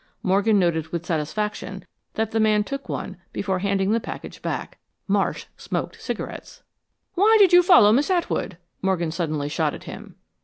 Morgan noted with satisfaction that the man took one before handing the package back. Marsh smoked cigarettes! "Why did you follow Miss Atwood?" Morgan suddenly shot at him.